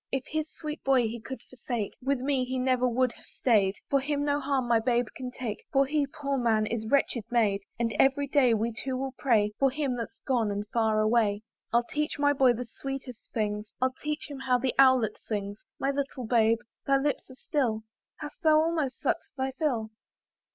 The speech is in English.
If his sweet boy he could forsake, With me he never would have stay'd: From him no harm my babe can take, But he, poor man! is wretched made, And every day we two will pray For him that's gone and far away. I'll teach my boy the sweetest things; I'll teach him how the owlet sings. My little babe! thy lips are still, And thou hast almost suck'd thy fill.